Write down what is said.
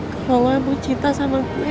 kalau lo mau cinta sama gue